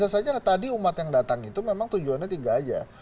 karena tadi umat yang datang itu memang tujuannya tiga saja